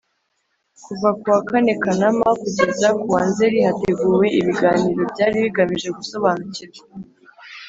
Kuva kuwa kane Kanama kugeza kuwa Nzeri hateguwe ibiganiro byari bigamije gusobanukirwa